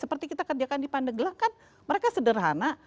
seperti kita kerjakan di pandeglang kan mereka sederhana